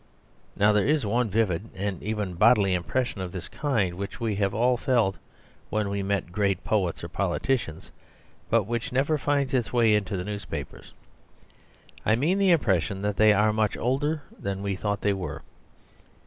Now there is one vivid and even bodily impression of this kind which we have all felt when we met great poets or politicians, but which never finds its way into the newspapers. I mean the impression that they are much older than we thought they were.